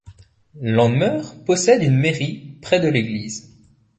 Lanmeur possède une mairie près de l'église.